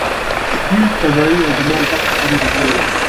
دوی قضايي او د مال حق هم درلود.